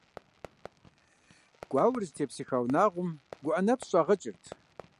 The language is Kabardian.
Гуауэр зытепсыха унагъуэм гуӀэ нэпс щӀагъэкӀырт.